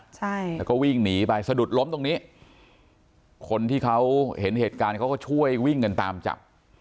ใช่แล้วก็วิ่งหนีไปสะดุดล้มตรงนี้คนที่เขาเห็นเหตุการณ์เขาก็ช่วยวิ่งกันตามจับ